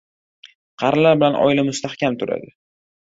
• Qarilar bilan oila mustahkam turadi.